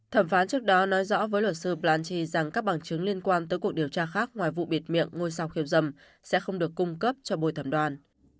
thẩm phán trước đó nói rõ với luật sư blanchi rằng các bằng chứng liên quan tới cuộc điều tra khác ngoài vụ biệt miệng ngôi sao khiêm dầm sẽ không được cung cấp cho bồi thẩm đoàn